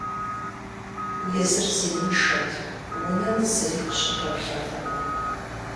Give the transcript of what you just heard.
Езыр зеиншэт, унэм зыри къыщыпэплъэртэкъым.